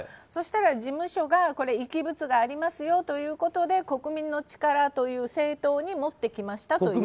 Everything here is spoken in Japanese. そうしたら、事務所が遺棄物がありますよということで国民の力という政党に持ってきましたと。